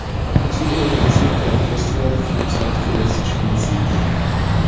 Sie organisierte ein Festival für zeitgenössische Musik.